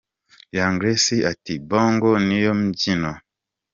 Young Grace ati Bongo niyo mbyino.